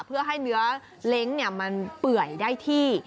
เพื่อให้เนื้อเล้งมันเปื่อยได้ที่